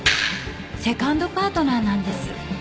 セカンドパートナーなんです。